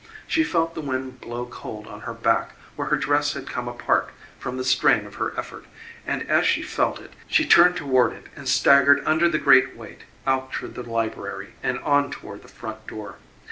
She felt the wind blow cold on her back where her dress had come apart from the strain of her effort, and as she felt it she turned toward it and staggered under the great weight out through the library and on toward the front door.